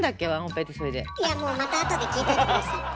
いやもうまた後で聞いといて下さい。